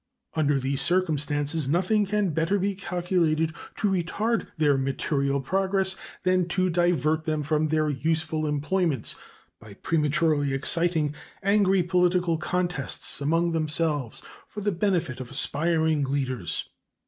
Under these circumstances nothing can be better calculated to retard their material progress than to divert them from their useful employments by prematurely exciting angry political contests among themselves for the benefit of aspiring leaders.